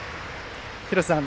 廣瀬さん